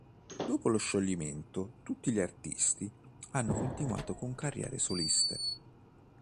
Dopo lo scioglimento tutti gli artisti hanno continuato con carriere soliste.